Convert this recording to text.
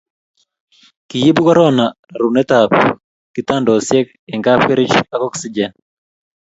kiibu korona rorunotetab kitokusiek eng' kapkerich ak oksijen